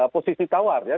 posisi tawar ya